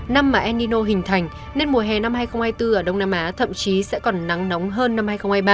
năm mà enino hình thành nên mùa hè năm hai nghìn hai mươi bốn ở đông nam á thậm chí sẽ còn nắng nóng hơn năm hai nghìn hai mươi ba